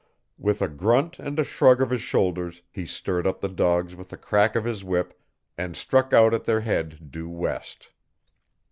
With a grunt and a shrug of his shoulders he stirred up the dogs with a crack of his whip and struck out at their head due west.